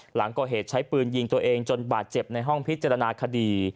หลังก่อเหตุใช้ปืนยิงตัวเองจนบาดเจ็บในห้องพิจารณาคดี